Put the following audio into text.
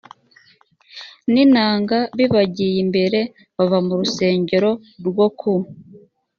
n inanga bibagiye imbere bava mu rusengero rwo ku